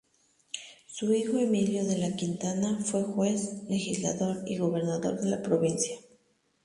Su hijo Emilio de la Quintana fue juez, legislador y gobernador de la provincia